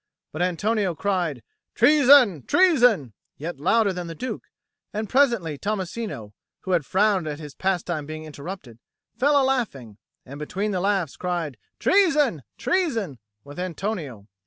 But Antonio cried "Treason, treason," yet louder than the Duke; and presently Tommasino, who had frowned at his pastime being interrupted, fell a laughing, and between the laughs cried "Treason, treason!" with Antonio.